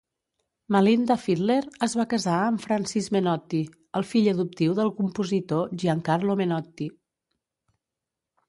Malinda Fitler es va casar amb Francis Menotti, el fill adoptiu del compositor Gian Carlo Menotti.